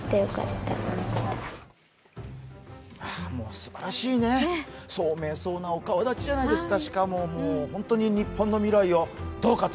すばらしいね、聡明そうなお顔立ちじゃないですか。